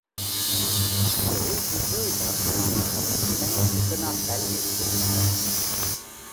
Di vê vîdyoyê de hûn ê dîmenên çêkirina qeliyê bibînin.